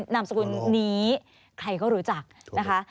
นามสกุลนี้ใครก็รู้จักนะคะ